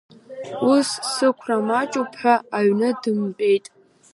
Уи сықәра маҷуп ҳәа аҩны дымтәеит.